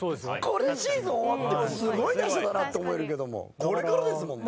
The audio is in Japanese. これでシーズン終わってもすごい打者だなって思えるけどもこれからですもんね。